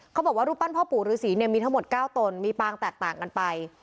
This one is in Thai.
เขาบอกว่ารูปปั้นพ่อปู่ฤษีเนี่ยมีทั้งหมด๙ตนมีปางแตกต่างกันไป